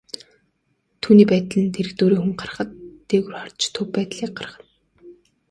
Түүний байдал нь дэргэдүүрээ хүн гарахад, дээгүүр харж төв байдлыг гаргана.